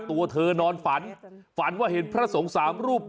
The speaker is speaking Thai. ตัวเธอนอนฝันฝันว่าเห็นพระสงฆ์สามรูป